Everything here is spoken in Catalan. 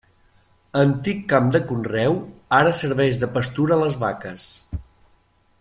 Antic camp de conreu, ara serveix de pastura a les vaques.